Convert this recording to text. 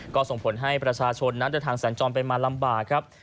ก็ส่งผลให้ประชาชนนะแต่ทางสารจอมเป็นมาลำบากครับ